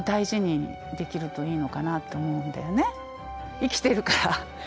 生きてるからさ。